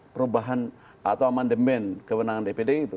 perubahan atau amandemen kewenangan dpd itu